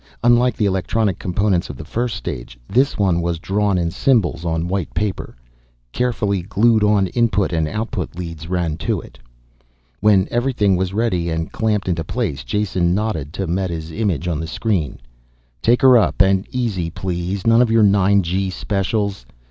Unlike the electronic components of the first stage, this one was drawn in symbols on white paper. Carefully glued on input and output leads ran to it. When everything was ready and clamped into place, Jason nodded to Meta's image on the screen. "Take her up and easy please. None of your nine G specials.